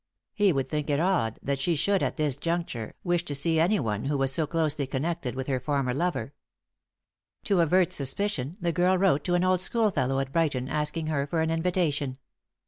He would think it odd that she should, at this juncture, wish to see one who was so closely connected with her former lover. To avert suspicion, the girl wrote to an old schoolfellow at Brighton asking her for an invitation.